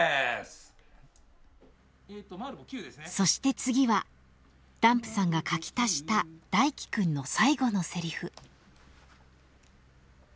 そして次はダンプさんが書き足した大樹くんの最後のセリフ。